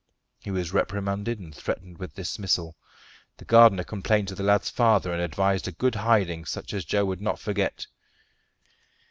He was reprimanded, and threatened with dismissal. The gardener complained to the lad's father and advised a good hiding, such as Joe should not forget.